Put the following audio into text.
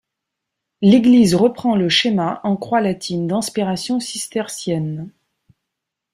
L'église reprend le schéma en croix latine d'inspiration cistercienne.